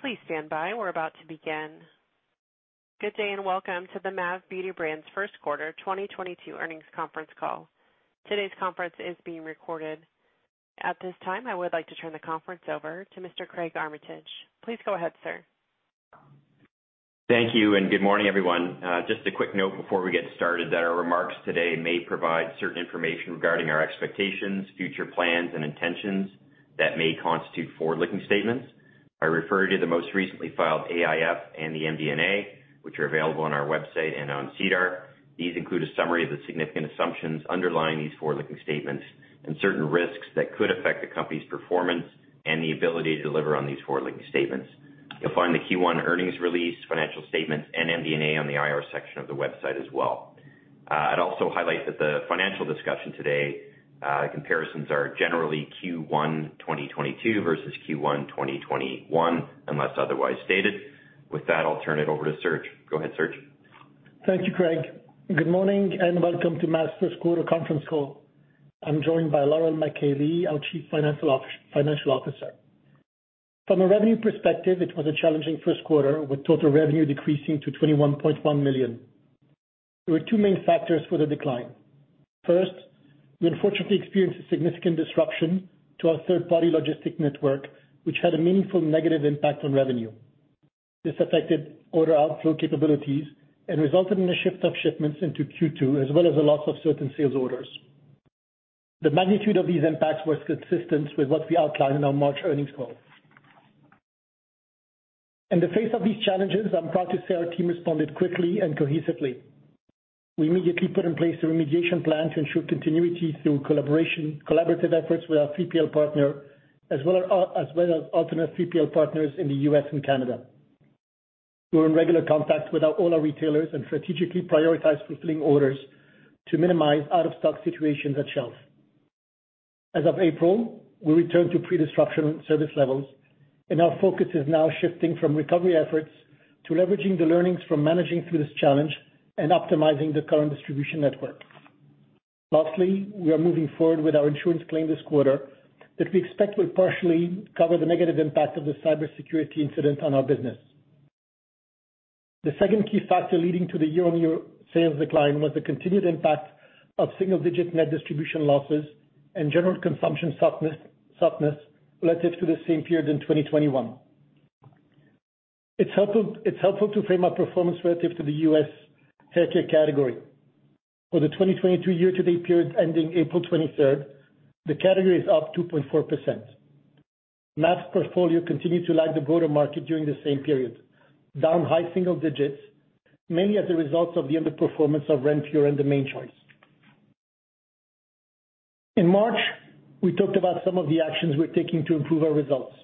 Please stand by. We're about to begin. Good day, and welcome to the MAV Beauty Brands' first quarter 2022 earnings conference call. Today's conference is being recorded. At this time, I would like to turn the conference over to Mr. Craig Armitage. Please go ahead, sir. Thank you and good morning, everyone. Just a quick note before we get started that our remarks today may provide certain information regarding our expectations, future plans, and intentions that may constitute forward-looking statements. I refer you to the most recently filed AIF and the MD&A, which are available on our website and on SEDAR. These include a summary of the significant assumptions underlying these forward-looking statements and certain risks that could affect the company's performance and the ability to deliver on these forward-looking statements. You'll find the Q1 earnings release, financial statements, and MD&A on the IR section of the website as well. I'd also highlight that the financial discussion today, comparisons are generally Q1 2022 versus Q1 2021, unless otherwise stated. With that, I'll turn it over to Serge. Go ahead, Serge. Thank you, Craig. Good morning and welcome to MAV's first quarter conference call. I'm joined by Laurel MacKay-Lee, our Chief Financial Officer. From a revenue perspective, it was a challenging first quarter, with total revenue decreasing to 21.1 million. There were two main factors for the decline. First, we unfortunately experienced a significant disruption to our third-party logistics network, which had a meaningful negative impact on revenue. This affected order outflow capabilities and resulted in a shift of shipments into Q2, as well as the loss of certain sales orders. The magnitude of these impacts was consistent with what we outlined in our March earnings call. In the face of these challenges, I'm proud to say our team responded quickly and cohesively. We immediately put in place a remediation plan to ensure continuity through collaboration, collaborative efforts with our 3PL partner as well as alternate 3PL partners in the U.S. and Canada. We're in regular contact with all our retailers and strategically prioritize fulfilling orders to minimize out-of-stock situations at shelf. As of April, we returned to pre-disruption service levels, and our focus is now shifting from recovery efforts to leveraging the learnings from managing through this challenge and optimizing the current distribution network. Lastly, we are moving forward with our insurance claim this quarter that we expect will partially cover the negative impact of the cybersecurity incident on our business. The second key factor leading to the year-on-year sales decline was the continued impact of single-digit net distribution losses and general consumption softness relative to the same period in 2021. It's helpful to frame our performance relative to the U.S. haircare category. For the 2022 year-to-date period ending April twenty-third, the category is up 2.4%. Mass portfolio continued to lag the broader market during the same period, down high single digits, mainly as a result of the underperformance of Renpure and The Mane Choice. In March, we talked about some of the actions we're taking to improve our results.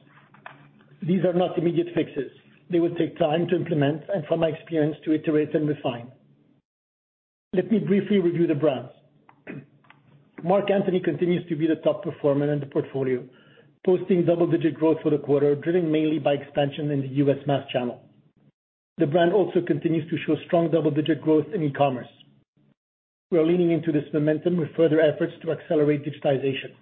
These are not immediate fixes. They will take time to implement and from my experience to iterate and refine. Let me briefly review the brands. Marc Anthony continues to be the top performer in the portfolio, posting double-digit growth for the quarter, driven mainly by expansion in the U.S. mass channel. The brand also continues to show strong double-digit growth in e-commerce. We are leaning into this momentum with further efforts to accelerate digitization.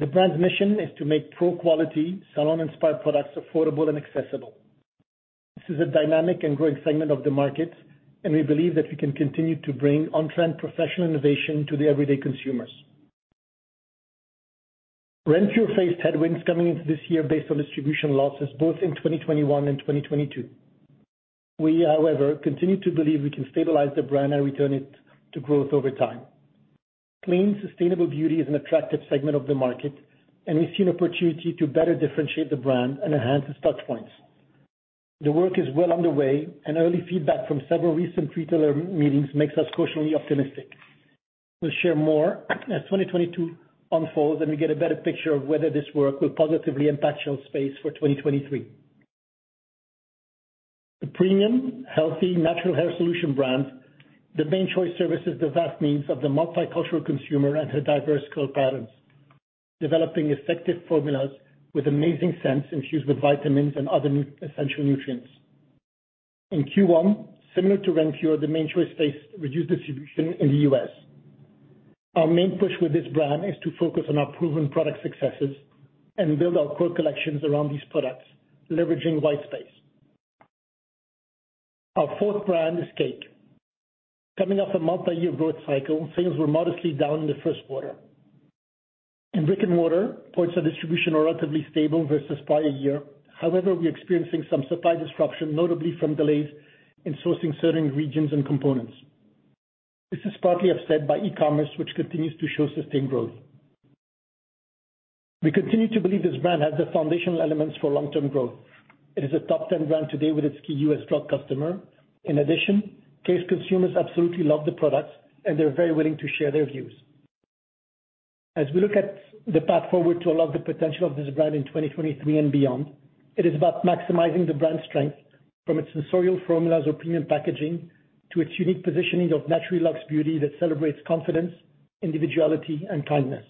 The brand's mission is to make pro-quality salon-inspired products affordable and accessible. This is a dynamic and growing segment of the market, and we believe that we can continue to bring on-trend professional innovation to the everyday consumers. Renpure faced headwinds coming into this year based on distribution losses both in 2021 and 2022. We, however, continue to believe we can stabilize the brand and return it to growth over time. Clean, sustainable beauty is an attractive segment of the market, and we see an opportunity to better differentiate the brand and enhance the touchpoints. The work is well underway, and early feedback from several recent retailer meetings makes us cautiously optimistic. We'll share more as 2022 unfolds and we get a better picture of whether this work will positively impact shelf space for 2023. The premium healthy natural hair solution brand, The Mane Choice serves the vast needs of the multicultural consumer and her diverse curl patterns, developing effective formulas with amazing scents infused with vitamins and other essential nutrients. In Q1, similar to Renpure, The Mane Choice faced reduced distribution in the U.S. Our main push with this brand is to focus on our proven product successes and build our core collections around these products, leveraging white space. Our fourth brand is Cake. Coming off a multi-year growth cycle, sales were modestly down in the first quarter. In brick-and-mortar, points of distribution are relatively stable versus prior year. However, we're experiencing some supply disruption, notably from delays in sourcing certain regions and components. This is partly offset by e-commerce, which continues to show sustained growth. We continue to believe this brand has the foundational elements for long-term growth. It is a top ten brand today with its key U.S. drug customer. In addition, Cake's consumers absolutely love the products, and they're very willing to share their views. As we look at the path forward to unlock the potential of this brand in 2023 and beyond, it is about maximizing the brand strength from its sensorial formulas or premium packaging to its unique positioning of natural luxe beauty that celebrates confidence, individuality, and kindness.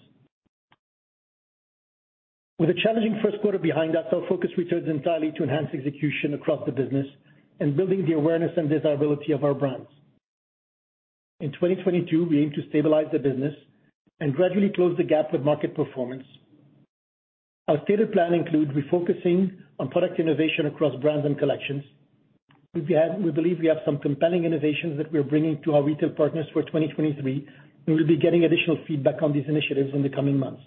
With a challenging first quarter behind us, our focus returns entirely to enhanced execution across the business and building the awareness and desirability of our brands. In 2022, we aim to stabilize the business and gradually close the gap with market performance. Our stated plan includes refocusing on product innovation across brands and collections. We believe we have some compelling innovations that we are bringing to our retail partners for 2023, and we'll be getting additional feedback on these initiatives in the coming months.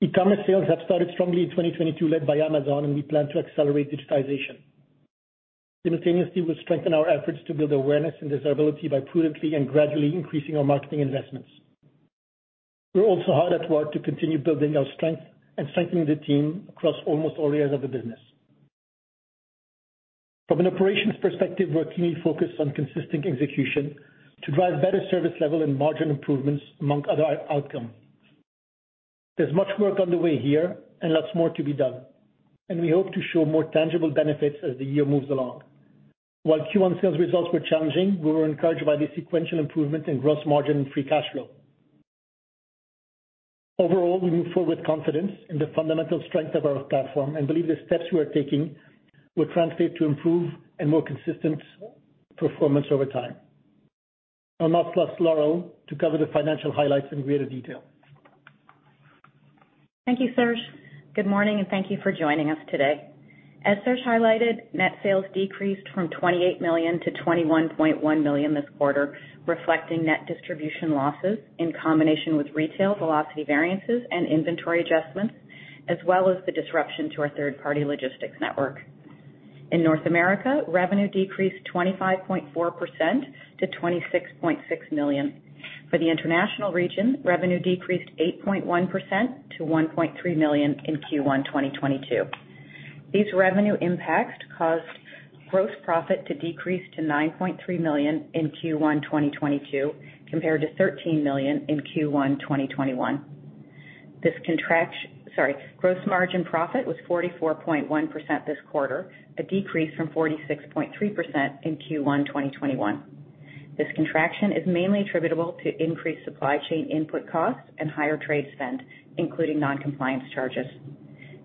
E-commerce sales have started strongly in 2022, led by Amazon, and we plan to accelerate digitization. Simultaneously, we'll strengthen our efforts to build awareness and desirability by prudently and gradually increasing our marketing investments. We're also hard at work to continue building our strength and strengthening the team across almost all areas of the business. From an operations perspective, we're keenly focused on consistent execution to drive better service level and margin improvements, among other outcomes. There's much work on the way here and lots more to be done, and we hope to show more tangible benefits as the year moves along. While Q1 sales results were challenging, we were encouraged by the sequential improvement in gross margin and free cash flow. Overall, we move forward with confidence in the fundamental strength of our platform and believe the steps we are taking will translate to improved and more consistent performance over time. I'll now pass to Laurel to cover the financial highlights in greater detail. Thank you, Serge. Good morning, and thank you for joining us today. As Serge highlighted, net sales decreased from 28 million to 21.1 million this quarter, reflecting net distribution losses in combination with retail velocity variances and inventory adjustments, as well as the disruption to our third-party logistics network. In North America, revenue decreased 25.4% to 26.6 million. For the international region, revenue decreased 8.1% to 1.3 million in Q1 2022. These revenue impacts caused gross profit to decrease to 9.3 million in Q1 2022 compared to 13 million in Q1 2021. Gross profit margin was 44.1% this quarter, a decrease from 46.3% in Q1 2021. This contraction is mainly attributable to increased supply chain input costs and higher trade spend, including non-compliance charges.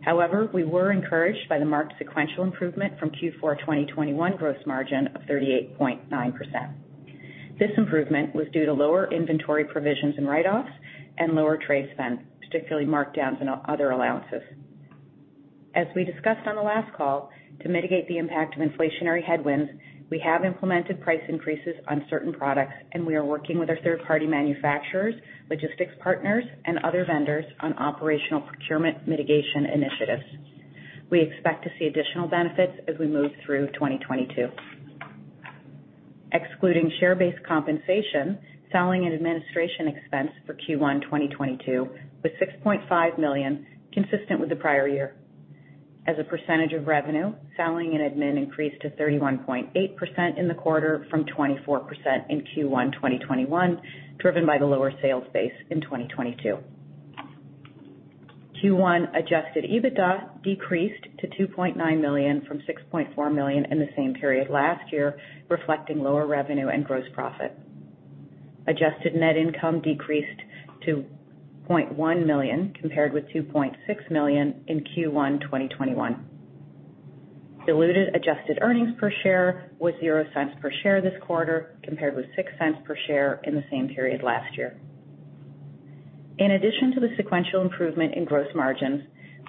However, we were encouraged by the marked sequential improvement from Q4 2021 gross margin of 38.9%. This improvement was due to lower inventory provisions and write-offs and lower trade spend, particularly markdowns and other allowances. As we discussed on the last call, to mitigate the impact of inflationary headwinds, we have implemented price increases on certain products, and we are working with our third-party manufacturers, logistics partners, and other vendors on operational procurement mitigation initiatives. We expect to see additional benefits as we move through 2022. Excluding share-based compensation, selling and administration expense for Q1 2022 was 6.5 million, consistent with the prior year. As a percentage of revenue, selling and admin increased to 31.8% in the quarter from 24% in Q1 2021, driven by the lower sales base in 2022. Q1 adjusted EBITDA decreased to 2.9 million from 6.4 million in the same period last year, reflecting lower revenue and gross profit. Adjusted net income decreased to 0.1 million compared with 2.6 million in Q1 2021. Diluted adjusted earnings per share was zero cents per share this quarter compared with $0.06 Per share in the same period last year. In addition to the sequential improvement in gross margins,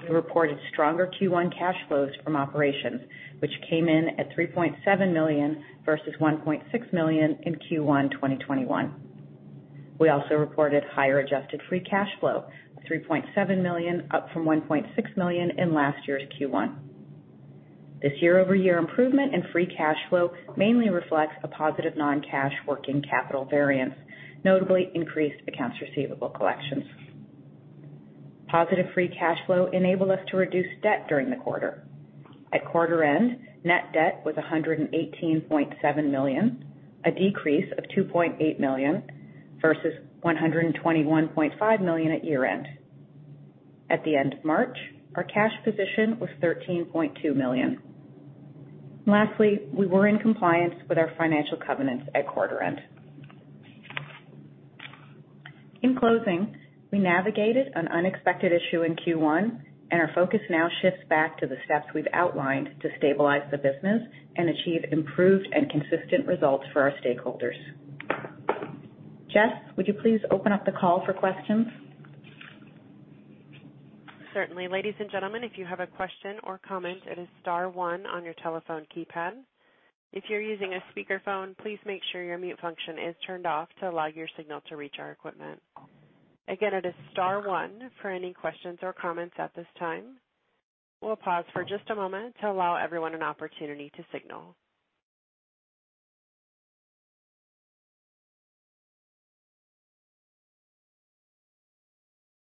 we reported stronger Q1 cash flows from operations, which came in at 3.7 million versus 1.6 million in Q1 2021. We also reported higher adjusted free cash flow, 3.7 million, up from 1.6 million in last year's Q1. This year-over-year improvement in free cash flow mainly reflects a positive non-cash working capital variance, notably increased accounts receivable collections. Positive free cash flow enabled us to reduce debt during the quarter. At quarter end, net debt was 118.7 million, a decrease of 2.8 million versus 121.5 million at year-end. At the end of March, our cash position was 13.2 million. Lastly, we were in compliance with our financial covenants at quarter end. In closing, we navigated an unexpected issue in Q1, and our focus now shifts back to the steps we've outlined to stabilize the business and achieve improved and consistent results for our stakeholders. Jess, would you please open up the call for questions? Certainly. Ladies and gentlemen, if you have a question or comment, it is star one on your telephone keypad. If you're using a speakerphone, please make sure your mute function is turned off to allow your signal to reach our equipment. Again, it is star one for any questions or comments at this time. We'll pause for just a moment to allow everyone an opportunity to signal.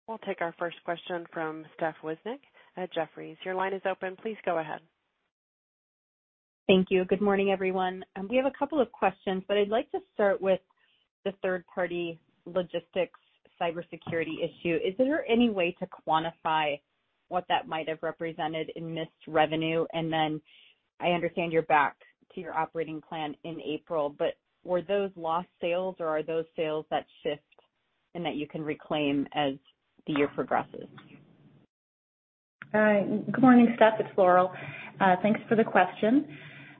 We'll take our first question from Stephanie Wissink at Jefferies. Your line is open. Please go ahead. Thank you. Good morning, everyone. We have a couple of questions, but I'd like to start with the third-party logistics cybersecurity issue. Is there any way to quantify what that might have represented in missed revenue? I understand you're back to your operating plan in April, but were those lost sales or are those sales that shift and that you can reclaim as the year progresses? Good morning, Steph. It's Laurel. Thanks for the question.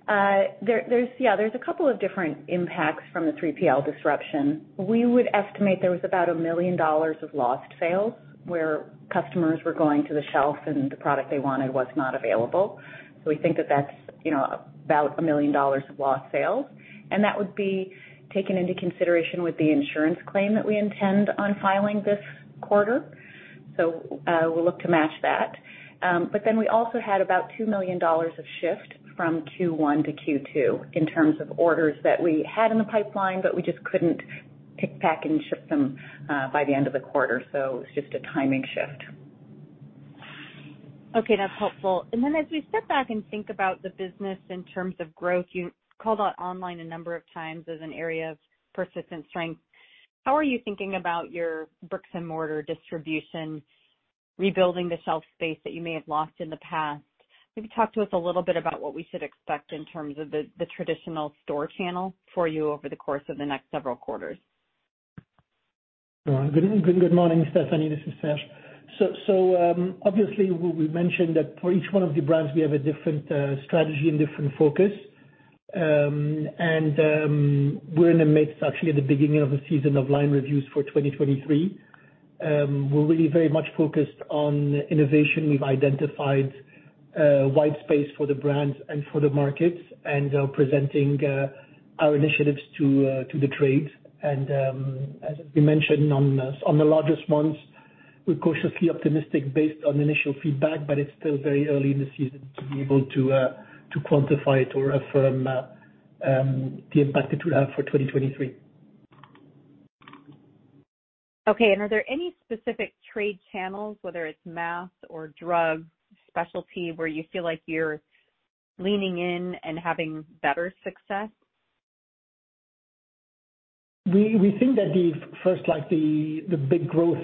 There's a couple of different impacts from the 3PL disruption. We would estimate there was about $1 million of lost sales where customers were going to the shelf and the product they wanted was not available. We think that's, you know, about $1 million of lost sales, and that would be taken into consideration with the insurance claim that we intend on filing this quarter. We'll look to match that. We also had about $2 million of shift from Q1 to Q2 in terms of orders that we had in the pipeline, but we just couldn't pick, pack, and ship them by the end of the quarter. It's just a timing shift. Okay, that's helpful. Then as we step back and think about the business in terms of growth, you called out online a number of times as an area of persistent strength. How are you thinking about your bricks and mortar distribution, rebuilding the shelf space that you may have lost in the past? Maybe talk to us a little bit about what we should expect in terms of the traditional store channel for you over the course of the next several quarters. Good morning, Stephanie. This is Serge. Obviously we've mentioned that for each one of the brands we have a different strategy and different focus. We're in the midst, actually at the beginning of the season of line reviews for 2023. We're really very much focused on innovation. We've identified white space for the brands and for the markets and are presenting our initiatives to the trade. As we mentioned on the largest ones, we're cautiously optimistic based on initial feedback, but it's still very early in the season to be able to quantify it or affirm the impact it will have for 2023. Okay, are there any specific trade channels, whether it's mass or drug specialty, where you feel like you're leaning in and having better success? We think that the first, like, the big growth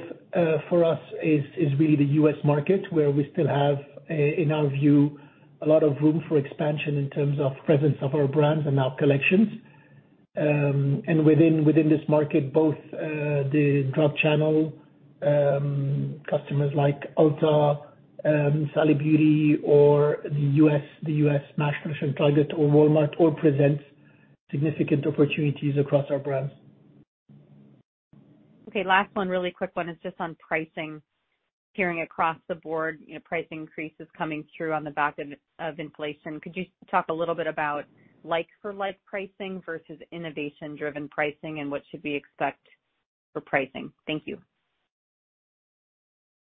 for us is really the U.S. market where we still have, in our view, a lot of room for expansion in terms of presence of our brands and our collections. Within this market, both the drug channel customers like Ulta, Sally Beauty or the U.S. mass merchant, Target or Walmart, all present significant opportunities across our brands. Okay, last one, really quick one. It's just on pricing. Hearing across the board, you know, price increases coming through on the back of inflation. Could you talk a little bit about like-for-like pricing versus innovation driven pricing and what should we expect for pricing? Thank you.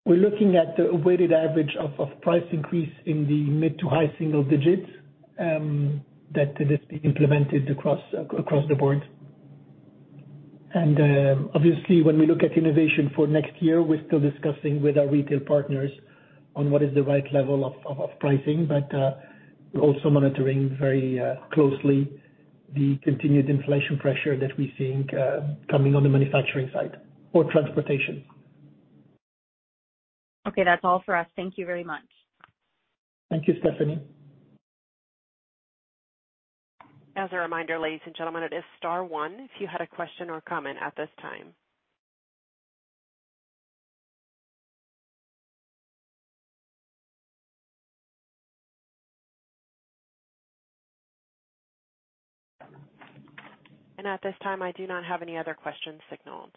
We're looking at a weighted average of price increase in the mid- to high-single digits that is being implemented across the board. Obviously, when we look at innovation for next year, we're still discussing with our retail partners on what is the right level of pricing. We're also monitoring very closely the continued inflation pressure that we're seeing coming on the manufacturing side or transportation. Okay, that's all for us. Thank you very much. Thank you, Stephanie. As a reminder, ladies and gentlemen, it is star one if you had a question or comment at this time. At this time I do not have any other questions signaled.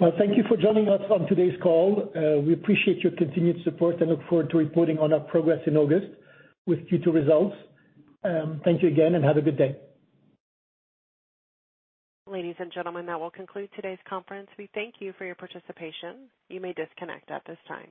Well, thank you for joining us on today's call. We appreciate your continued support and look forward to reporting on our progress in August with Q2 results. Thank you again, and have a good day. Ladies and gentlemen, that will conclude today's conference. We thank you for your participation. You may disconnect at this time.